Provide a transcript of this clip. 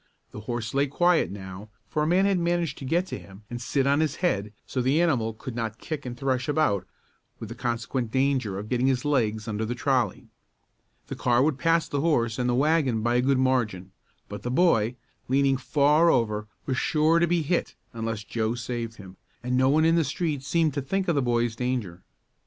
The horse lay quiet now, for a man had managed to get to him and sit on his head, so the animal could not kick and thresh about with the consequent danger of getting his legs under the trolley. The car would pass the horse and the wagon by a good margin, but the boy, leaning far over, was sure to be hit unless Joe saved him, and no one in the street seemed to think of the boy's danger.